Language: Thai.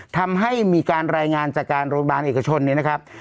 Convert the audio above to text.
ทำให้มีการรายงานจากการโรงพยาบาลเอกชนเนี่ยนะครับ